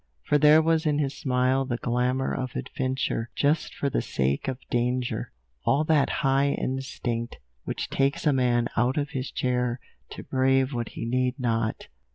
For there was in his smile the glamour of adventure just for the sake of danger; all that high instinct which takes a man out of his chair to brave what he need not.